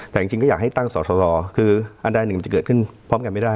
แต่จริงก็อยากให้ตั้งสอสรคืออันใดหนึ่งมันจะเกิดขึ้นพร้อมกันไม่ได้